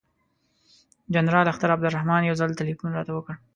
جنرال اختر عبدالرحمن یو ځل تلیفون راته وکړ.